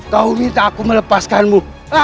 kau minta aku melepaskanmu